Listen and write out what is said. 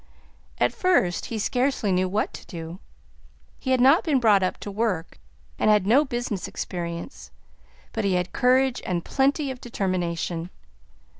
At first he scarcely knew what to do; he had not been brought up to work, and had no business experience, but he had courage and plenty of determination.